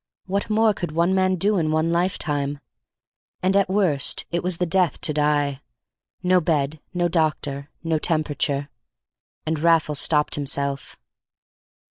What more could one man do in one lifetime? And at the worst it was the death to die: no bed, no doctor, no temperature—and Raffles stopped himself.